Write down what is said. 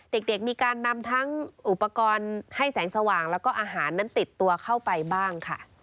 เด็กมีการนำทั้งอุปกรณ์ให้แสงสว่างแล้วก็อาหารนั้นติดตัวเข้าไปบ้างค่ะ